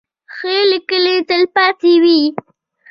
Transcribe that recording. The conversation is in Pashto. ښې لیکنې تلپاتې وي.